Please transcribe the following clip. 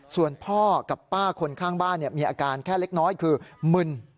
ส่วนพ่อกับป้าคนข้างบ้านมีอาการแค่เล็กน้อยคือมึน